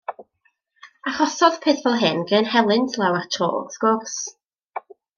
Achosodd peth fel hyn gryn helynt lawer tro, wrth gwrs.